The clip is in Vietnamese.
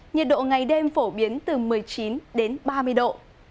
nhiệt độ ngày đêm phổ biến từ một mươi chín đến ba mươi độ